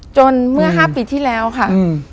เมื่อ๕ปีที่แล้วค่ะ